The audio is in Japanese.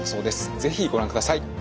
是非ご覧ください。